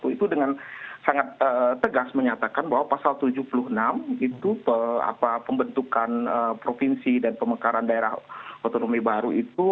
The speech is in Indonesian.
itu dengan sangat tegas menyatakan bahwa pasal tujuh puluh enam itu pembentukan provinsi dan pemekaran daerah otonomi baru itu